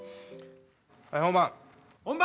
はい本番。